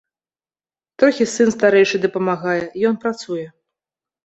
Трохі сын старэйшы дапамагае, ён працуе.